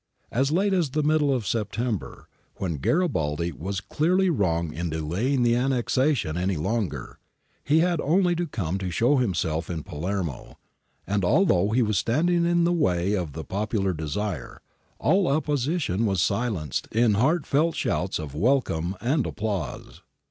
As late as the middle of September, when Garibaldi was clearly wrong in delaying the annexation any longer, he had only to come to show himself in Palermo, and although he was standing in the way of the popular desire, all opposition was silenced in heart felt shouts of welcome and applause.